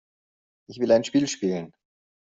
Ich will ein Spiel spielen.